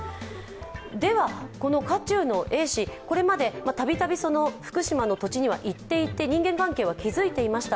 では、この渦中のＡ氏、これまでたびたび福島の土地には行っていて人間関係は築いていました。